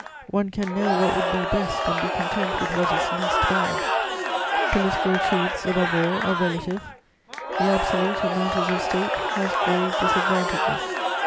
One can know what would be best and be content with what is least bad; political truths, above all, are relative; the absolute, in matters of State, has grave disadvantages.